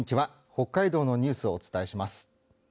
北海道のニュースをお伝えします。